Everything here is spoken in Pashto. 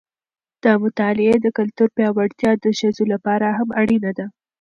د مطالعې د کلتور پیاوړتیا د ښځو لپاره هم اړینه ده.